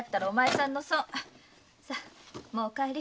もうお帰り。